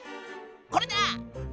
これだ！